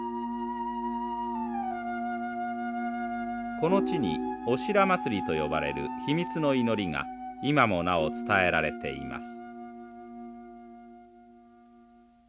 この地にオシラマツリと呼ばれる秘密の祈りが今もなお伝えられています。